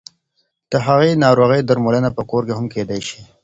د هغې ناروغۍ درملنه په کور کې هم کېدای شي.